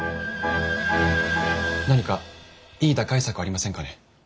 ・何かいい打開策はありませんかね。